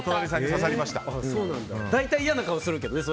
大体嫌な顔するけどね